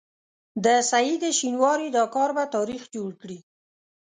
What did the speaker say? د سعید شینواري دا کار به تاریخ جوړ کړي.